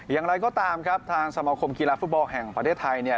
อย่างไรก็ตามครับทางสมาคมกีฬาฟุตบอลแห่งประเทศไทยเนี่ย